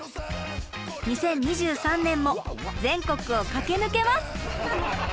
２０２３年も全国を駆け抜けます！